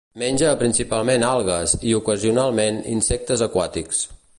Menja principalment algues i, ocasionalment, insectes aquàtics.